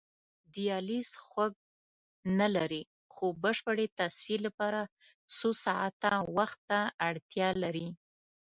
دیالیز خوږ نه لري خو بشپړې تصفیې لپاره څو ساعته وخت ته اړتیا لري.